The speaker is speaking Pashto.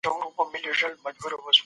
ظلم کوونکي بايد د محکمې مېز ته راکاږل سي.